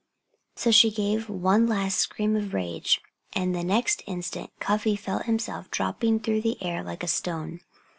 So she gave one last scream of rage; and the next instant Cuffy felt himself dropping through the air like a stone.